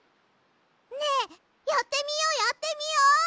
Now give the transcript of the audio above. ねえやってみようやってみよう！